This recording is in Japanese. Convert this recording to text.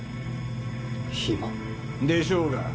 「暇」？でしょうが。